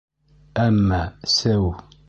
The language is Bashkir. Әммә... сеү!..